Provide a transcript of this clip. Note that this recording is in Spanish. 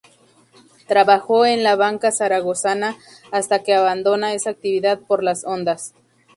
Trabajó en la Banca Zaragozana hasta que abandona esa actividad por las ondas.